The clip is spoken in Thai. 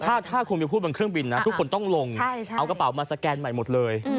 ถ้าคุณไปพูดบนเครื่องบินนะทุกคนต้องลงเอากระเป๋ามาสแกนใหม่หมดเลย